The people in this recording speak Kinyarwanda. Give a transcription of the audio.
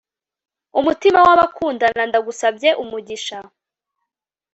Umutima wabakundana Ndagusabye umugisha